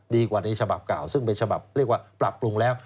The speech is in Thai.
ดีกว่าในฉบับเก่าซึ่งเป็นฉบับเรียกว่าปรับปรุงแล้ว